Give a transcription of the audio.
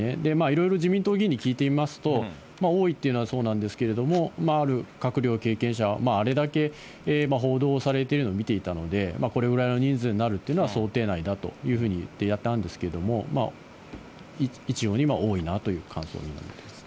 いろいろ自民党議員に聞いてみますと、多いっていうのはそうなんですけれども、ある閣僚経験者、あれだけ報道されているのを見ていたので、これぐらいの人数になるというのは想定内だというふうに言っていたんですけど、一様に多いなという感想みたいです。